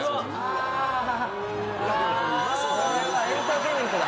これはエンターテインメントだ。